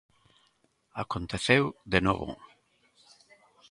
Aconteceu de novo.